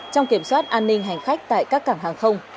trong kiểm soát an ninh hành khách tại các cảng hàng không